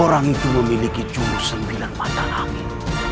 orang itu memiliki jurus sembilan mata angin